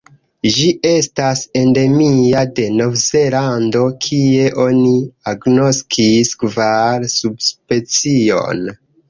Ĝi estas endemia de Novzelando, kie oni agnoskis kvar subspeciojn.